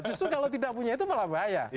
justru kalau tidak punya itu malah bahaya